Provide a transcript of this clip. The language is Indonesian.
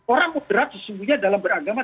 orang moderat sesungguhnya dalam beragama